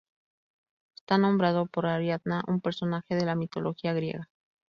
Está nombrado por Ariadna, un personaje de la mitología griega.